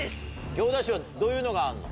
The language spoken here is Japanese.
行田市はどういうのがあんの？